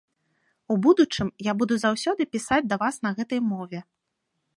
У будучым я буду заўсёды пісаць да вас на гэтай мове.